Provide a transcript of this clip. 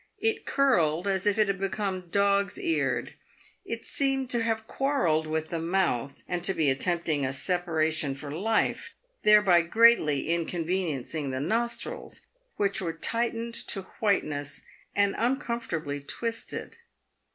It curled as if it had become dog's eared. It seemed to have quarrelled with the mouth, and to be attempting a separation for life, thereby greatly inconveniencing the nostrils, which were tightened to whiteness, and uncomfortably twisted.